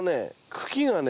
茎がね